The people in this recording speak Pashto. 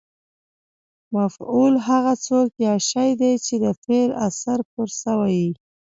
مفعول هغه څوک یا شی دئ، چي د فعل اثر پر سوی يي.